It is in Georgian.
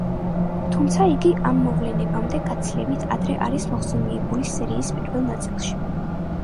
თუმცა იგი ამ მოვლენებამდე გაცილებით ადრე არის მოხსენიებული სერიის პირველ ნაწილში.